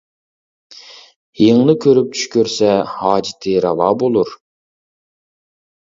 يىڭنە كۆرۈپ چۈش كۆرسە ھاجىتى راۋا بولۇر.